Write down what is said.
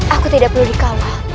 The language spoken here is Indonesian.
aku tidak perlu dikawal